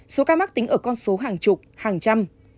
số ca mắc tính ở con số hàng chục hàng trăm